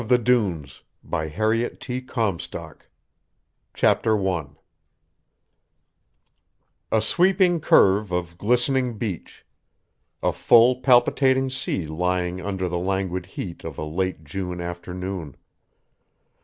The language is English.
I've answered!'" 267 JANET OF THE DUNES CHAPTER I A sweeping curve of glistening beach. A full palpitating sea lying under the languid heat of a late June afternoon.